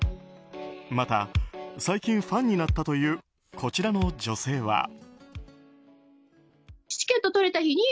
また、最近ファンになったというこちらの女性は。